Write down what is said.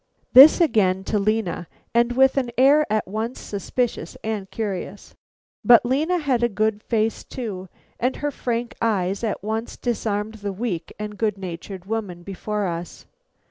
This again to Lena, and with an air at once suspicious and curious. But Lena has a good face, too, and her frank eyes at once disarmed the weak and good natured woman before us.